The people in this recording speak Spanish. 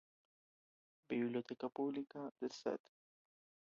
Biblioteca Pública de St.